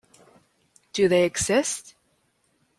Do they exist?